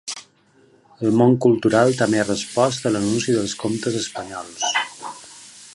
El món cultural també ha respost a l’anunci dels comptes espanyols.